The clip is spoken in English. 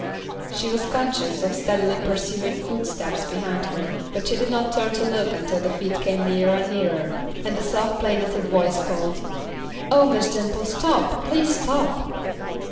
She was conscious of steadily pursuing footsteps behind her, but she did not turn to look until the feet came nearer and nearer and a soft plaintive voice called, "Oh, Miss Dimple, stop, please stop."